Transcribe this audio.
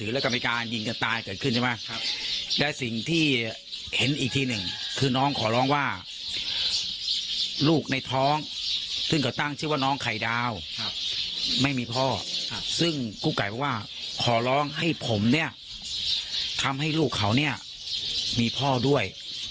ลูกในท้องให้ผมเนี่ยทำให้ลูกเขาเนี่ยมีพ่อด้วย